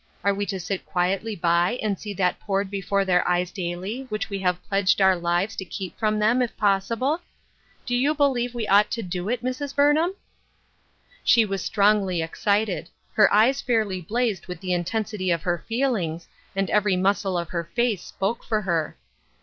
Are we to sit quietly by and see that poured before their eyes daily which we have pledged our lives to keep from them, if possible ? Do you be lieve we ought to do it, Mrs. Burnham ?" She was strongly excited ; her eyes fairly blazed with the intensity of her feelings, and every muscle of her face spoke for her.